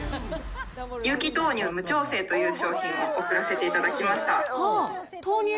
有機豆乳無調整という商品、送らせていただきました。